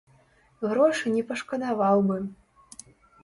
Грошы не пашкадаваў бы.